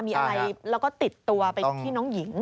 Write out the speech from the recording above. มีอะไรแล้วก็ติดตัวไปที่น้องหญิง